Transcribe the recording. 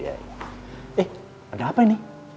eh ada apa ini